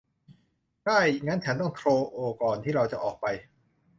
ได้ งั้นฉันต้องโทรก่อนที่เราจะออกไป